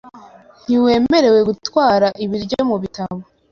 Ntiwemerewe gutwara ibiryo mubitabo.